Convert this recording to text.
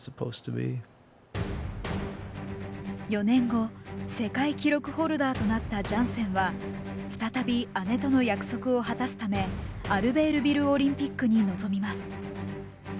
４年後世界記録ホルダーとなったジャンセンは再び姉との約束を果たすためアルベールビル・オリンピックに臨みます。